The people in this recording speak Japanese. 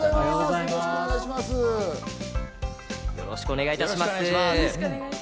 よろしくお願いします。